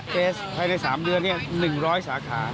เกสภายใน๓เดือน๑๐๐สาขา